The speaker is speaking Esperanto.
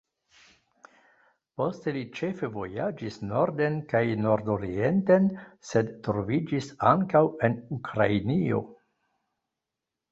Poste li ĉefe vojaĝis norden kaj nordorienten, sed troviĝis ankaŭ en Ukrainio.